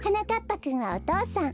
ぱくんはお父さん。